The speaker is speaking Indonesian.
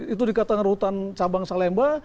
itu dikatakan rutan cabang salemba